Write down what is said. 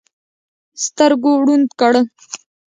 سترګو ړوند کړ.